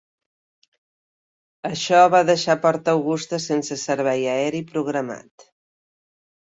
Això va deixar Port Augusta sense servei aeri programat.